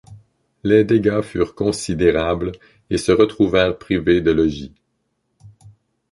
Les dégâts furent considérables et se retrouvèrent privées de logis.